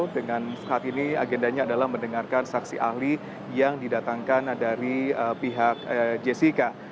dengan saat ini agendanya adalah mendengarkan saksi ahli yang didatangkan dari pihak jessica